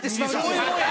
そういうもんや！